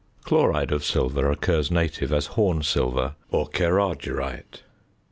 Chloride of silver occurs native as horn silver or kerargyrite.